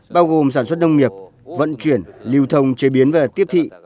bao gồm sản xuất nông nghiệp vận chuyển lưu thông chế biến và tiếp thị